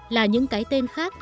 là những cái tên khác